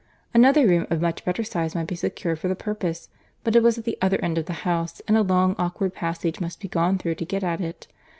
Another room of much better size might be secured for the purpose; but it was at the other end of the house, and a long awkward passage must be gone through to get at it.